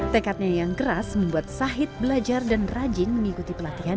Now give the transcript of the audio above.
tekadnya yang keras membuat sahid belajar dan rajin mengikuti pelatihan